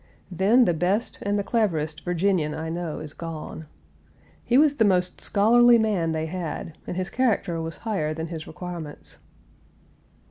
Then the best and the cleverest Virginian I know is gone. He was the most scholarly man they had, and his character was higher than his requirements.